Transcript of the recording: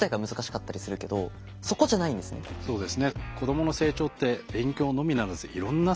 そうですね。